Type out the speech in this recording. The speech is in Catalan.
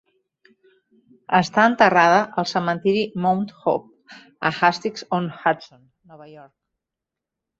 Està enterrada al cementiri Mount Hope, a Hastings-on-Hudson, Nova York.